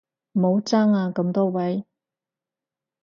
唔好爭啊咁多位